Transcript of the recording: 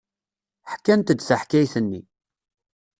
Ḥkant-d taḥkayt-nni.